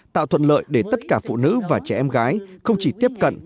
tạo thuận lợi để tất cả phụ nữ và trẻ em gái không chỉ tiếp cận